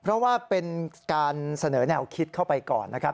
เพราะว่าเป็นการเสนอแนวคิดเข้าไปก่อนนะครับ